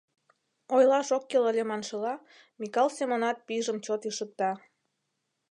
Ойлаш ок кӱл ыле маншыла, Микал Семонат пӱйжым чот ишыкта.